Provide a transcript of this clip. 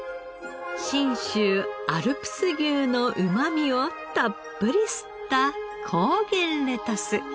信州アルプス牛のうまみをたっぷり吸った高原レタス。